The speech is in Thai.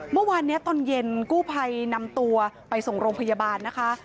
เมื่อวานนี้ตอนเย็นกู้ภัยนำตัวไปส่งโรงพยาบาลนะคะ